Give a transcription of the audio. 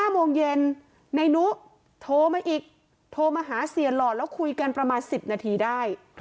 ๕โมงเย็นนายนุโทรมาอีกโทรมาหาเสียหล่อแล้วคุยกันประมาณ๑๐นาทีได้